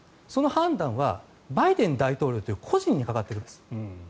その判断はバイデン大統領という個人にかかっているんです。